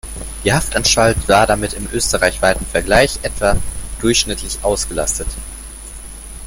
Die Haftanstalt war damit im österreichweiten Vergleich etwa durchschnittlich ausgelastet.